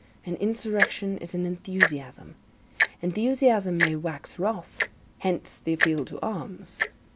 An insurrection is an enthusiasm. Enthusiasm may wax wroth; hence the appeal to arms.